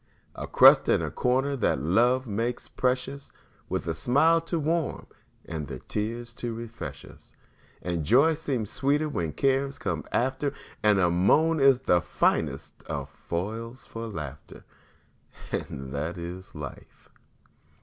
A crust and a corner that love makes precious, With a smile to warm and the tears to refresh us; And joy seems sweeter when cares come after, And a moan is the finest of foils for laughter; And that is life!